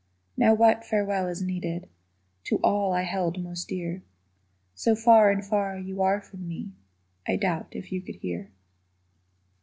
Now what farewell is needed To all I held most dear, So far and far you are from me I doubt if you could hear.